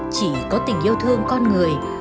chỉ có tình yêu thương con người